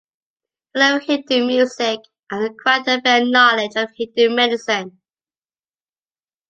He loved Hindu music, and acquired a fair knowledge of Hindu medicine.